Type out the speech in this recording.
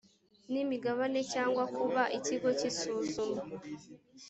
n imigabane cyangwa kuba ikigo cy isuzuma